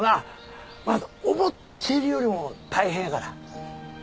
思ってるよりも大変やから。